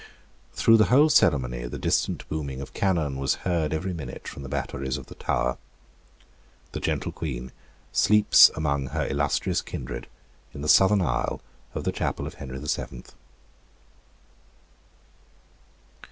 Through the whole ceremony the distant booming of cannon was heard every minute from the batteries of the Tower. The gentle Queen sleeps among her illustrious kindred in the southern aisle of the Chapel of Henry the Seventh.